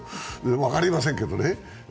分かりませんけどね。